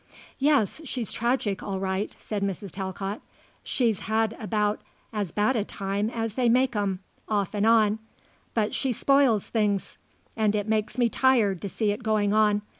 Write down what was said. "Yes, she's tragic all right," said Mrs. Talcott. "She's had about as bad a time as they make 'em off and on. But she spoils things. And it makes me tired to see it going on.